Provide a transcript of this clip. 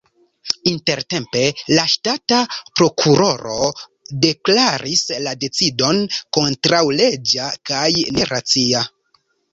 Intertempe la ŝtata prokuroro deklaris la decidon kontraŭleĝa kaj neracia.